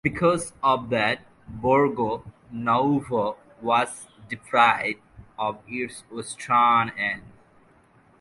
Because of that Borgo Nuovo was deprived of its western end.